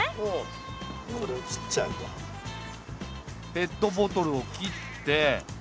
ペットボトルを切って。